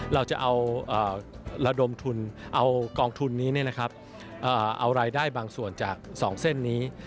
เราจะเอากองทุนนี้นะครับเอารายได้บางส่วนจากสองเส้นนี้